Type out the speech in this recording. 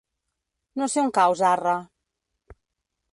No sé on cau Zarra.